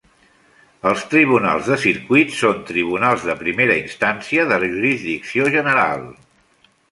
Els tribunals de Circuit són tribunals de primera instància de jurisdicció general.